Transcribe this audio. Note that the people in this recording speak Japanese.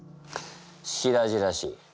白々しい。